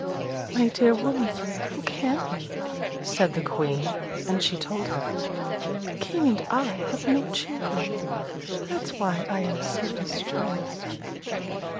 "My dear woman, how can you?" said the Queen: and she told her, "The King and I have no children: that's why I am so distressed."